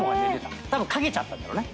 たぶん掛けちゃったんだろうね。